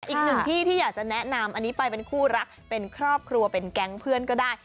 อีกหนึ่งที่ที่อยากจะแนะนำอันนี้ไปเป็นคู่รักเป็นครอบครัวเป็นแก๊งเพื่อนก็ได้